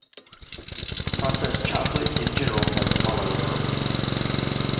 Processed chocolate, in general, has smaller amounts.